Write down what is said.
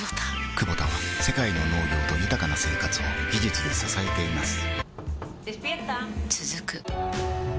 クボタは世界の農業と豊かな生活を技術で支えています起きて。